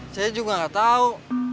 saya juga gak tau